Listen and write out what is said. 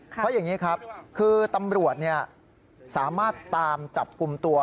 เพราะอย่างนี้ครับคือตำรวจสามารถตามจับกลุ่มตัว